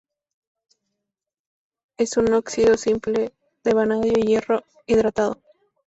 Es un óxido simple de vanadio y hierro, hidratado.